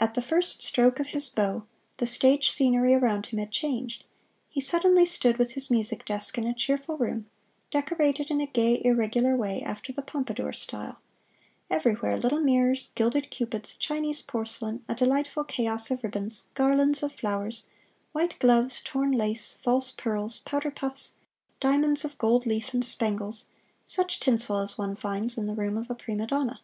At the first stroke of his bow the stage scenery around him had changed; he suddenly stood with his music desk in a cheerful room, decorated in a gay, irregular way after the Pompadour style; everywhere little mirrors, gilded Cupids, Chinese porcelain, a delightful chaos of ribbons, garlands of flowers, white gloves, torn lace, false pearls, powder puffs, diamonds of gold leaf and spangles such tinsel as one finds in the room of a prima donna.